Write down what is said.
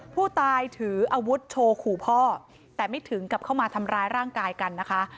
ผู้ตายถืออาวุธโชว์ขู่พ่อแต่ไม่ถึงกลับเข้ามาทำร้ายร่างกายกันนะคะ